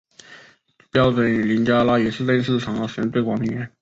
标准林加拉语是正式场合使用最广的语言。